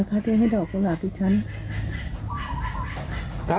ขอดอกกุลาบมากนะคะ